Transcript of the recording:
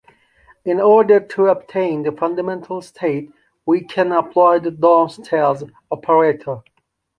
In order to obtain the fundamental state, we can apply the down stairs operator.